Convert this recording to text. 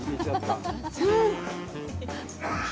うん！